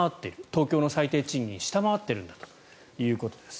東京の最低賃金を下回っているということです。